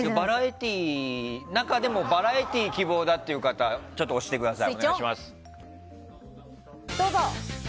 中でもバラエティー希望だっていう方押してください。